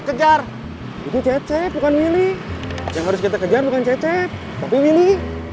kejar itu cecep bukan milik yang harus kita kejar bukan cecep tapi milik oh iya ya